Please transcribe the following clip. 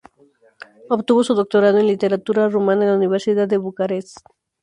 Obtuvo su doctorado en literatura rumana en la Universidad de Bucarest.